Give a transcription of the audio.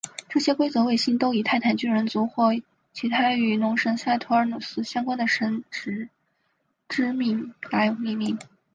这些规则卫星都以泰坦巨人族或其他与农神萨图尔努斯相关的神只之名来命名。